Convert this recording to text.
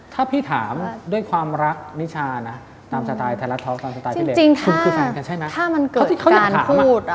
ถ้าพี่ถามด้วยความรักนิชาน่ะตามสไตล์ไทรลัสท็อคตามสไตล์พี่เล็ก